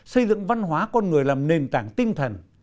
xây dựng văn hóa con người là nền tảng tinh thần